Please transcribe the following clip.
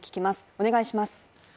お願いします。